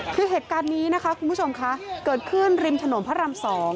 คือเหตุการณ์นี้นะคะคุณผู้ชมคะเกิดขึ้นริมถนนพระราม๒